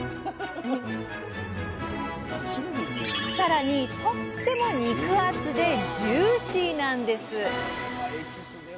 さらにとっても肉厚でジューシーなんです。